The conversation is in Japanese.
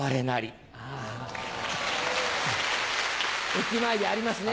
駅前でありますね。